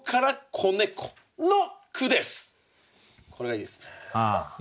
これがいいですね。